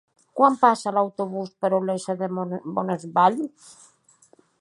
Quan passa l'autobús per Olesa de Bonesvalls?